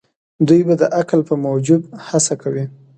دوی به د عقل په موجب هڅه کوي.